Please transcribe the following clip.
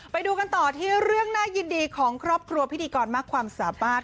ไปดูกันต่อที่เรื่องน่ายินดีของครอบครัวพิธีกรมากความสามารถ